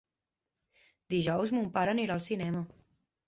Dijous mon pare anirà al cinema.